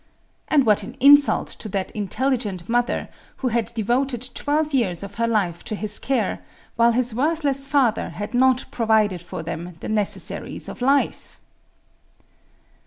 And what an insult to that intelligent mother, who had devoted twelve years of her life to his care, while his worthless father had not provided for them the necessaries of life!